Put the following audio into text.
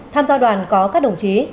tham gia đoàn có các đồng chí